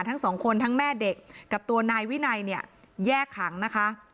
ทั้งสองคนทั้งแม่เด็กกับตัวนายวินัยเนี่ยแยกขังนะคะ